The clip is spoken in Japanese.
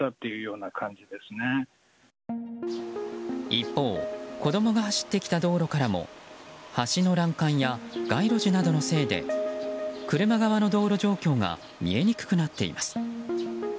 一方、子供が走ってきた道路からも橋の欄干や街路樹などのせいで車側の道路状況が見えにくくなっています。